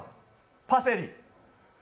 パセリ。